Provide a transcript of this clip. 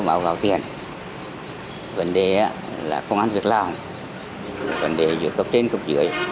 bảo gạo tiền vấn đề là công an việc làm vấn đề dưới cấp trên cấp dưới